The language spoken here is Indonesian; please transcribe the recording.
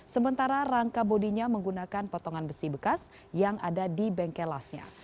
sementara rangka bodinya menggunakan potongan besi bekas yang ada di bengkelasnya